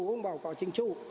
cũng bảo có chính chủ